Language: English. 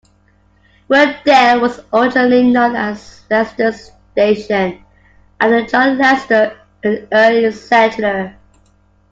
Wood Dale was originally known as "Lester's Station", after John Lester, an early settler.